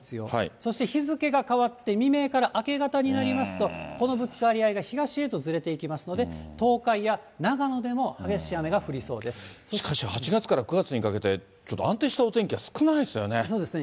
そして日付が変わって、未明から明け方になりますと、このぶつかり合いが東へとずれていきますので、東海や長野でも激しい雨が降しかし、８月から９月にかけて、ちょっと安定したお天気が少ないですよね。